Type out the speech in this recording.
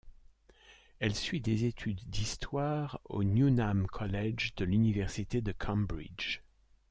Elle suit des études d'histoire au Newnham College de l'université de Cambridge.